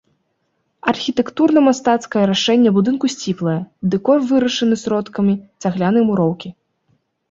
Архітэктурна-мастацкае рашэнне будынку сціплае, дэкор вырашаны сродкамі цаглянай муроўкі.